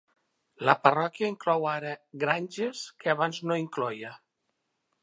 La parròquia inclou ara granges que abans no incloïa.